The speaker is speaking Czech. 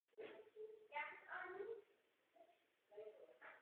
H. Frankem získalo převahu.